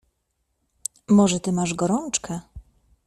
"Może ty masz gorączkę?"